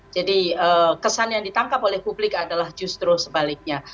jadi kesan yang ditangkap oleh publik adalah justru sebaliknya